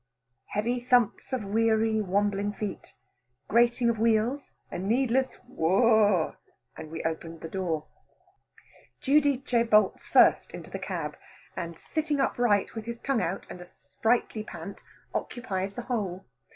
Heavy thumps of weary wambling feet, grating of wheels, a needless "whoa," and we open the door. Giudice bolts first into the cab, and sitting upright with his tongue out and a sprightly pant, occupies the whole.